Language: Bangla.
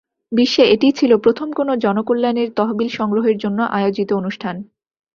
বিশ্বে এটিই ছিল প্রথম কোনো জনকল্যাণের তহবিল সংগ্রহের জন্য আয়োজিত অনুষ্ঠান।